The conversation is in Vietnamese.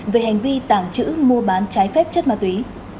về hành vi tàng trữ mua bán trái phép chất ma túy